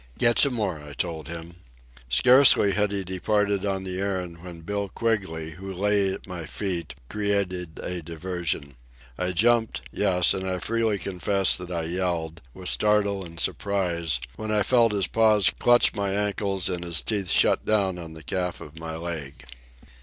"Get some more," I told him. Scarcely had he departed on the errand when Bill Quigley, who lay at my feet, created a diversion. I jumped—yes, and I freely confess that I yelled—with startle and surprise, when I felt his paws clutch my ankles and his teeth shut down on the calf of my leg.